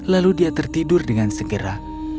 lalu dia tertidur dengan segera